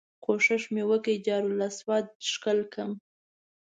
کوښښ مې وکړ حجر اسود ښکل کړم.